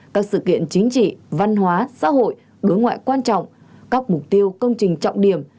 các sự kiện chính trị văn hóa xã hội đối ngoại quan trọng các mục tiêu công trình trọng điểm